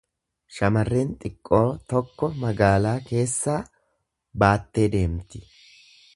Shamarreen xiqqoo tokko magaalaa keessaa baattee deemti.